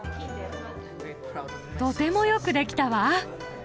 とてもよくできたわ。